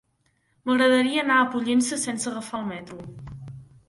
M'agradaria anar a Pollença sense agafar el metro.